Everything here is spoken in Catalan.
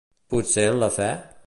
¿Potser en la fe?